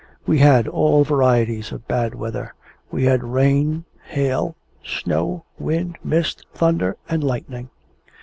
We had all varieties of bad weather. We had rain, hail, snow, wind, mist, thunder and lightning.